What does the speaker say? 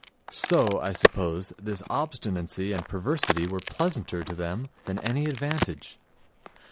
So, I suppose, this obstinacy and perversity were pleasanter to them than any advantage....